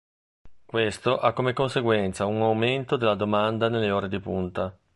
Questo ha come conseguenza un aumento della domanda nelle ore di punta.